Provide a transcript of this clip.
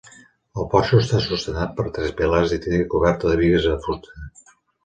El porxo està sustentat per tres pilars i té coberta de bigues de fusta.